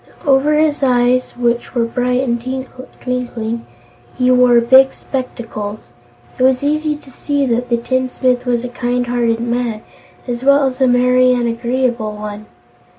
Over his eyes, which were bright and twinkling, he wore big spectacles. It was easy to see that the tinsmith was a kind hearted man, as well as a merry and agreeable one.